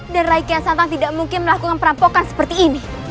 dan raimu kian santang tidak mungkin melakukan perampokan seperti ini